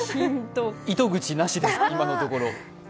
糸口なしです、今のところ。